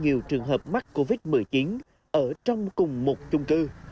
nhiều trường hợp mắc covid một mươi chín ở trong cùng một chung cư